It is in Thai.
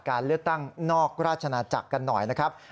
การเลือกตั้งนอกราชนาจักรกันหน่อยนะครับ